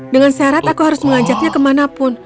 dengan syarat aku harus mengajaknya kemanapun